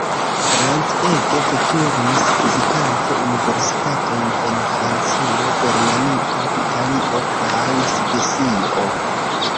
Grant ege veturis, vizitante universitatojn en Francio, Germanio, Italio kaj Svisio.